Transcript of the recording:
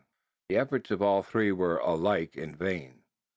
The efforts of all three were alike vain.